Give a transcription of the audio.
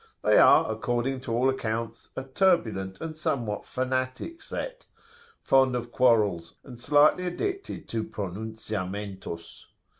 They are, according to all accounts, a turbulent and somewhat fanatic set, fond of quarrels, and slightly addicted to "pronunciamentos."